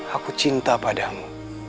aku cinta padamu